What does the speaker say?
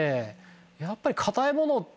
やっぱり。